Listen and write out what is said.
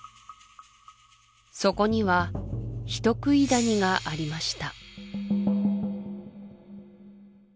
そこには人喰い谷がありました